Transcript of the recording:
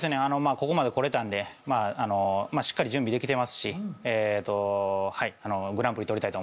ここまで来れたんでしっかり準備できてますしグランプリ取りたいと思います